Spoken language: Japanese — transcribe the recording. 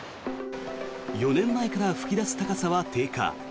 ４年前から噴き出す高さは低下。